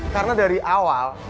karena dari awal